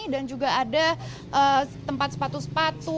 dan juga ada tempat sepatu sepatu